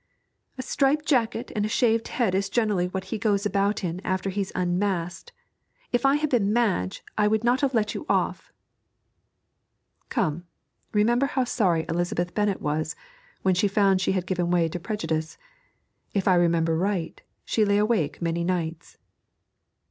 'A striped jacket and shaved head is generally what he goes about in after he's unmasked. If I had been Madge I would not have let you off.' 'Come, remember how sorry Elizabeth Bennett was when she found she had given way to prejudice. If I remember right she lay awake many nights.'